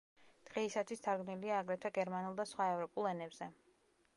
დღეისათვის თარგმნილია, აგრეთვე, გერმანულ და სხვა ევროპულ ენებზე.